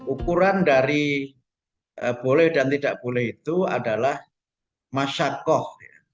ukuran dari boleh dan tidak boleh itu adalah masyakof